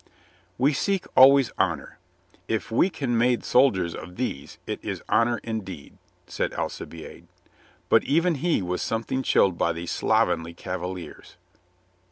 "We seek always honor. If we can made soldiers of these it is honor indeed," said Alcibiade; but even he was something chilled by these slovenly Cavaliers.